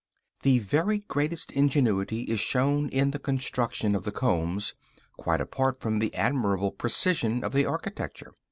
The very greatest ingenuity is shown in the construction of the combs, quite apart from the admirable precision of the architecture.